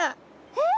えっ？